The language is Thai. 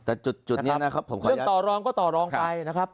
เรื่องต่อรองก็ต่อรองไปนะครับ